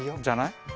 じゃない？